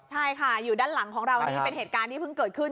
ใช่ค่ะอยู่ด้านหลังของเรานี่เป็นเหตุการณ์ที่เพิ่งเกิดขึ้น